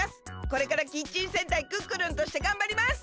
これからキッチン戦隊クックルンとしてがんばります！